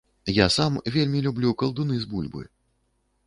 Я сам вельмі люблю калдуны з бульбы.